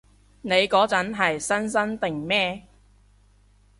你嗰陣係新生定咩？